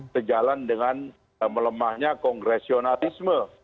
berjalan dengan melemahnya kongresionalisme